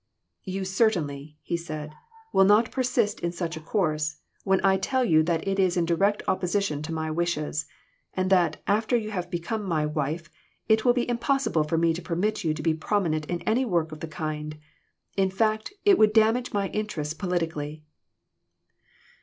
"You certainly," he said, "will not persist in such a course, when I tell you that it is in direct opposition to my wishes ; and that, after you have become my wife, it will be impossible for me to permit you to be prominent in any work of the kind. In fact, it would damage my interests politically."